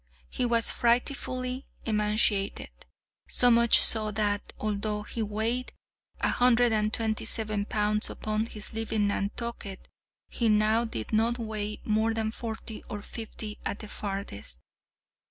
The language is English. He was frightfully emaciated; so much so that, although he weighed a hundred and twenty seven pounds upon his leaving Nantucket, he now did not weigh more than forty or fifty at the farthest.